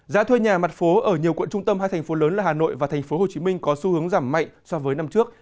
giá thuê nhà mặt phố ở nhiều quận trung tâm hai thành phố lớn là hà nội và thành phố hồ chí minh có xu hướng giảm mạnh so với năm trước